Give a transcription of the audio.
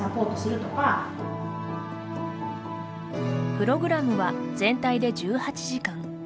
プログラムは全体で１８時間。